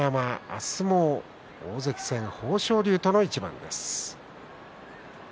明日も大関豊昇龍との対戦です。